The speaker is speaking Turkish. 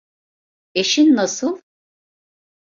Eşin nasıl?